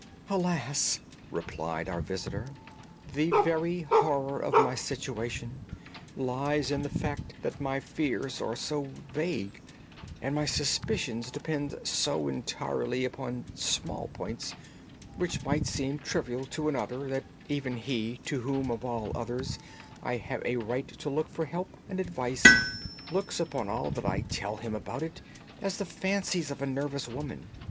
"Alas!" replied our visitor, "the very horror of my situation lies in the fact that my fears are so vague, and my suspicions depend so entirely upon small points, which might seem trivial to another, that even he to whom of all others I have a right to look for help and advice looks upon all that I tell him about it as the fancies of a nervous woman.